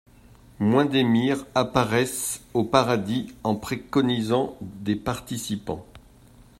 Moins d'émirs apparaissent au paradis en préconisant des participants.